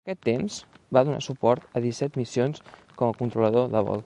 Durant aquest temps, va donar suport a disset missions com a controlador de vol.